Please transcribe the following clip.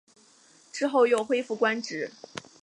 之后又恢复官职。